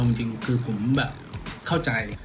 เอาจริงคือผมแบบเข้าใจ